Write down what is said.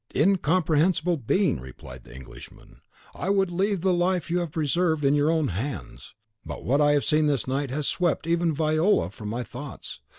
"Incomprehensible being!" replied the Englishman, "I would leave the life you have preserved in your own hands; but what I have seen this night has swept even Viola from my thoughts.